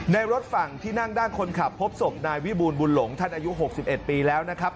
รถฝั่งที่นั่งด้านคนขับพบศพนายวิบูรบุญหลงท่านอายุ๖๑ปีแล้วนะครับ